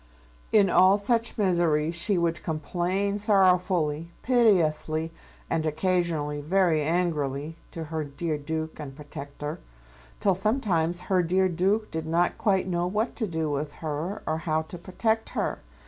In all such miseries she would complain sorrowfully, piteously, and occasionally very angrily, to her dear Duke and protector; till sometimes her dear Duke did not quite know what to do with her or how to protect her.